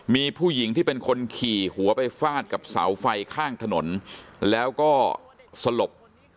มีผู้หญิงที่เป็นคนขี่หัวไปฟาดกับเสาไฟข้างถนนแล้วก็สลบ